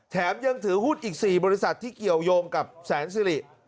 ยังถือหุ้นอีก๔บริษัทที่เกี่ยวยงกับแสนสิริ